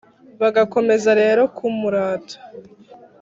bagakomeza rero kumurata.